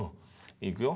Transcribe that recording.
いくよ。